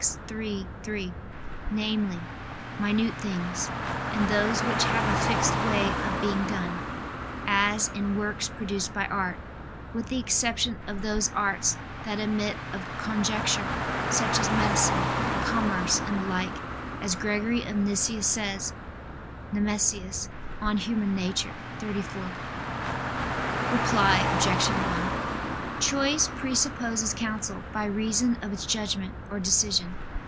iii, 3): namely, minute things, and those which have a fixed way of being done, as in works produced by art, with the exception of those arts that admit of conjecture such as medicine, commerce, and the like, as Gregory of Nyssa says [*Nemesius, De Nat. Hom. xxiv.]. Reply Obj. 1: Choice presupposes counsel by reason of its judgment or decision.